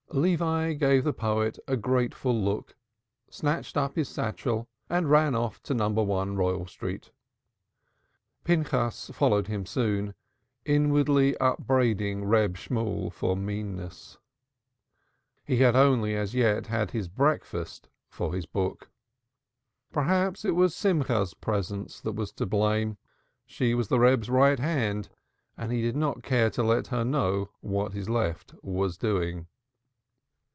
Levi gave the poet a grateful look, snatched up his satchel and ran off to No. 1 Royal Street. Pinchas followed him soon, inwardly upbraiding Reb Shemuel for meanness. He had only as yet had his breakfast for his book. Perhaps it was Simcha's presence that was to blame. She was the Reb's right hand and he did not care to let her know what his left was doing.